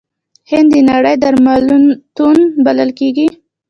هند د نړۍ درملتون بلل کیږي.